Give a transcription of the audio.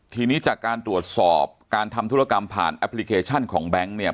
ทีนี้จากการตรวจสอบการทำธุรกรรมผ่านแอปพลิเคชันของแบงค์เนี่ย